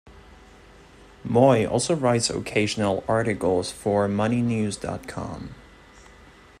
Moy also writes occasional articles for Moneynews dot com.